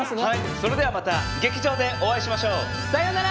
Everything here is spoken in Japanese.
それではまた劇場でお会いしましょう。さようなら！